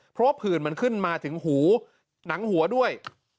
เพราะว่าผื่นมันขึ้นมาถึงหูหนังหัวด้วย